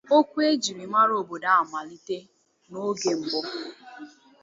okwu e jiri mara obodo ahụ malite n'oge mbụ.